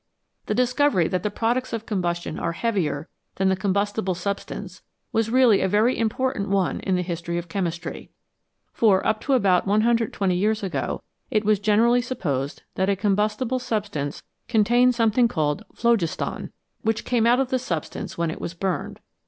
The discovery that the products of combustion are heavier than the combustible substance was really a very important one in the history of chemistry ; for up to about 120 years ago it was generally supposed that a combustible substance contained something called phlogiston, which came out of the substance when it was burned.